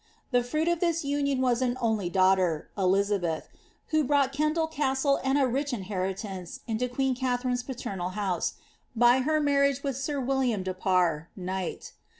The fruit of this nnioo was an only daughter, Elizabeth, who brought Kendal Castle and a rich inheritance into queen Katharine^s paternal house, by her marriage with sir William de Parr, knight.